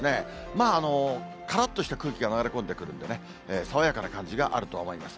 まあ、からっとした空気が流れ込んでくるんでね、爽やかな感じがあると思います。